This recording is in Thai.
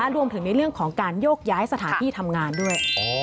รวมถึงในเรื่องของการโยกย้ายสถานที่ทำงานด้วย